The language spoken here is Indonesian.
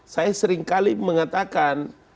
saya seringkali mengatakan